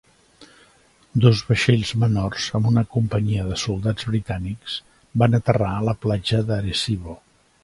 Dos vaixells menors amb una companyia de soldats britànics van aterrar a la platja d'Arecibo.